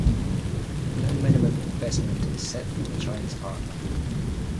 No minimum investment is set for the Chinese partner.